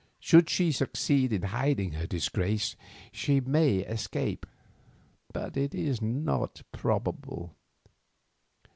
Should she succeed in hiding her disgrace, she may escape; but it is not probable.